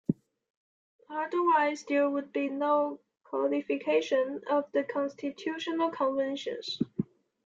Otherwise there would be no codification of the constitutional conventions.